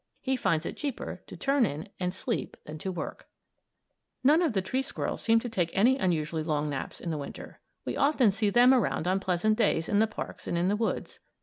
He finds it cheaper to turn in and sleep than to work. [Illustration: A HEDGEHOG AND HER BABIES] None of the tree squirrels seem to take any unusually long naps in the Winter. We often see them around on pleasant days in the parks and in the woods.